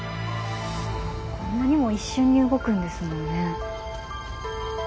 こんなにも一瞬に動くんですもんね。